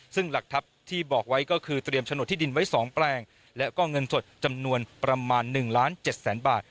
ซึ่งหลักทัพที่บอกไว้ก็คือเตรียมโฉนดที่ดินไว้๒แปลงและก็เงินสดจำนวนประมาณ๑ล้าน๗แสนบาท